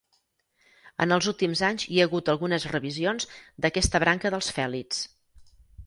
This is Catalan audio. En els últims anys hi ha hagut algunes revisions d'aquesta branca dels fèlids.